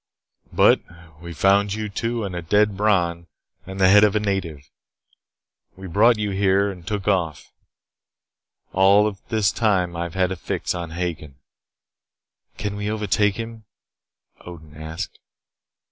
But we found you two and a dead Bron and the head of a native. We brought you here and took off. All this time I have had a fix on Hagen." "Can't we overtake him?" Odin asked.